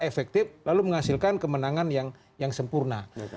efektif lalu menghasilkan kemenangan yang sempurna